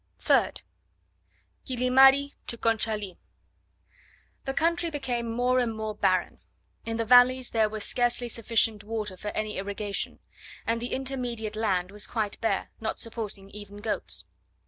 3rd. Quilimari to Conchalee. The country became more and more barren. In the valleys there was scarcely sufficient water for any irrigation; and the intermediate land was quite bare, not supporting even goats.